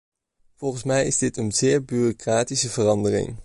Volgens mij is dit een zeer bureaucratische verandering.